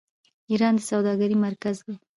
ایران د سوداګرۍ مرکز دی.